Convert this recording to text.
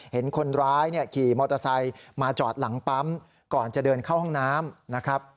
เห็นคนร้ายขี่มอเตอร์ไซค์มาจอดหลังปั๊มก่อนจะเดินเข้าห้องน้ำนะครับ